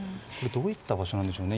どういった場所なんでしょうね